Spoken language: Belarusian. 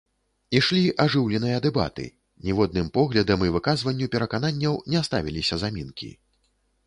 Ішлі ажыўленыя дэбаты, ніводным поглядам і выказванню перакананняў не ставіліся замінкі.